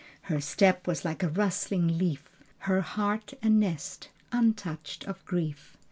Her step was like a rustling leaf: Her heart a nest, untouched of grief.